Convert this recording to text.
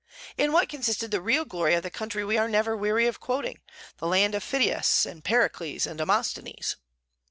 In what consisted the real glory of the country we are never weary of quoting, the land of Phidias and Pericles and Demosthenes?